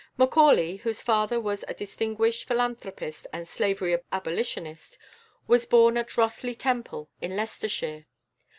Macaulay, whose father was a distinguished philanthropist and slavery abolitionist, was born at Rothley Temple, in Leicestershire.